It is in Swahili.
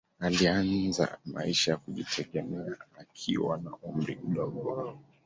Alianza maisha ya kujitegemea akiwa na umri mdogo.